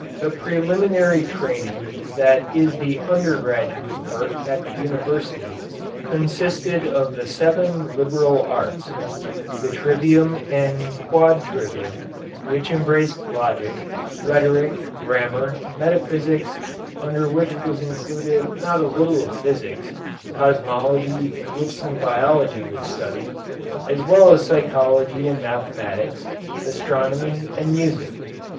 The preliminary training that is the undergraduate work at the universities consisted of the Seven Liberal Arts the trivium and quadrivium, which embraced logic, rhetoric, grammar, metaphysics, under which was included not a little of physics, cosmology in which some biology was studied, as well as psychology and mathematics, astronomy, and music.